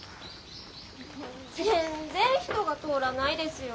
全然人が通らないですよ。